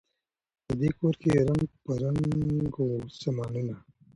په دې کورکي رنګ په رنګ وه سامانونه